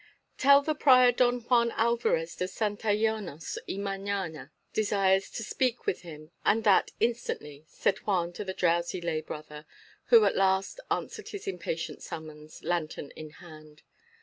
"Tell the prior Don Juan Alvarez de Santillanos y Meñaya desires to speak with him, and that instantly," said Juan to the drowsy lay brother who at last answered his impatient summons, lantern in hand.